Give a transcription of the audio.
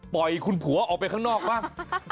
ปล่อยคุณผัวออกไปข้างนอกบ้าง